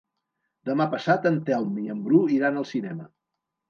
Demà passat en Telm i en Bru iran al cinema.